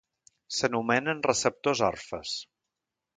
S'anomenen receptors orfes.